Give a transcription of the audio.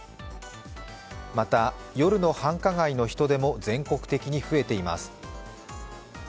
また、夜の繁華街の人出も全国的に増えています。